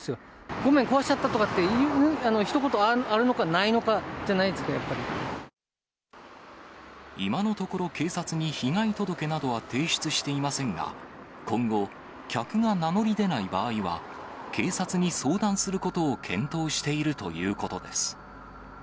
ごめん、壊しちゃったとかって、ひと言あるのかないのかじゃない今のところ、警察に被害届などは提出していませんが、今後、客が名乗り出ない場合は、警察に相談することを検討しているということです。